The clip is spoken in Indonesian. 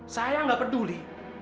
saya gak peduli